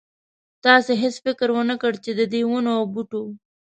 تاسې هېڅ فکر ونه کړ چې ددې ونو او بوټو.